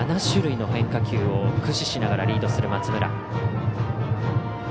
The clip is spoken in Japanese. ７種類の変化球を駆使しながらリードする松村。